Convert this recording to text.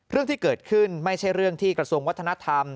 เรื่องที่เกิดขึ้นไม่ใช่เรื่องที่กระทรวงวัฒนธรรม